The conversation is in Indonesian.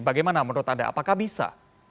bagaimana menurut anda apakah bisa